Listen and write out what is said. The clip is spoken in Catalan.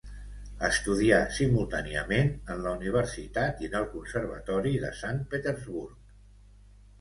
Estudià simultàniament en la Universitat i en el Conservatori de Sant Petersburg.